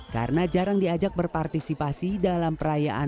karena jarang diajak berpartisipasi dalam perayaan